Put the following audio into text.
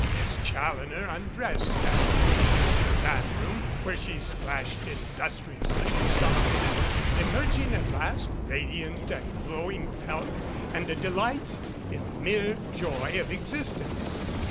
Miss Challoner undressed and entered her bathroom, where she splashed industriously for some minutes, emerg ing at last radiant and glowing with health and a delight in the mere joy of existence.